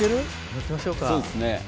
のっけましょうか。